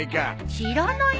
知らないね。